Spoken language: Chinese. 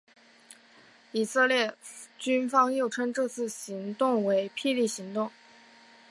以色列军方又称这次行动为霹雳行动。